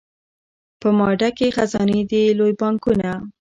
په ما ډکي خزانې دي لوی بانکونه